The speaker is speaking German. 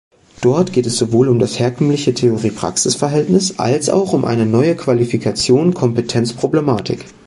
Dort geht es sowohl um das herkömmliche Theorie-Praxis-Verhältnis als auch um eine neue Qualifikation-Kompetenz-Problematik.